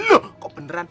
loh kok beneran